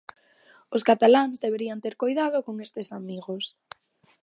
Os cataláns deberían ter coidado con estes amigos.